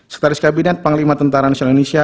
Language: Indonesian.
sekretaris kabinet panglima tentara nasional indonesia